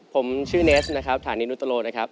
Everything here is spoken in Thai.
ผมชื่อเนสนะครับฐานีนุตโลนะครับ